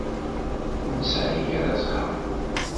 Ur nesεi ara ẓẓher.